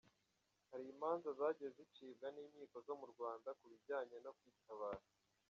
Hari imanza zagiye zicibwa n’inkiko zo mu Rwanda ku bijyanye no “Kwitabara”.